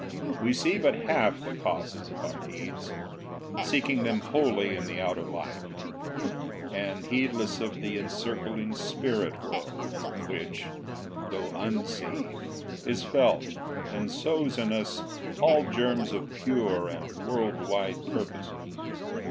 We see but half the causes of our deeds, Seeking them wholly in the outer life, And heedless of the encircling spirit world, Which, though unseen, is felt, and sows in us All germs of pure and world wide purposes.